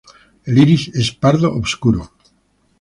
El iris es pardo obscuro.